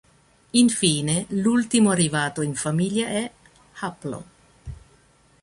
Infine l'ultimo arrivato in famiglia è Haplo.